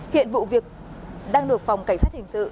hiện vụ việc đang được phòng cảnh sát hình sự